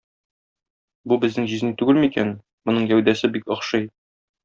Бу безнең җизни түгел микән, моның гәүдәсе бик охшый.